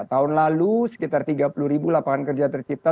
tahun lalu sekitar tiga puluh ribu lapangan kerja tercipta